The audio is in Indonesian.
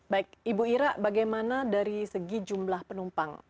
baik ibu ira bagaimana dari segi jumlah penumpang